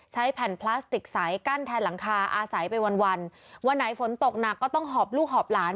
ใช้แผ่นพลาสติกใสกั้นแทนหลังคาอาศัยไปวันวันไหนฝนตกหนักก็ต้องหอบลูกหอบหลาน